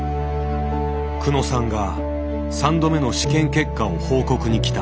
久野さんが３度目の試験結果を報告に来た。